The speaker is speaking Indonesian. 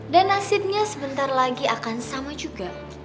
dan nasibnya sebentar lagi akan sama juga